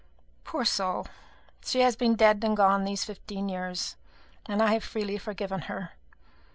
Poor soul! she has been dead and gone these fifteen years, and I have freely forgiven her.